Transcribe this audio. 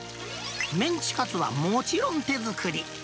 メンチカツはもちろん手作り。